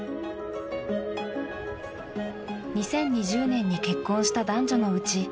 ２０２０年に結婚した男女のうち